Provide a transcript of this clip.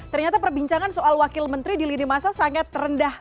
ternyata perbincangan soal wakil menteri di lini masa sangat rendah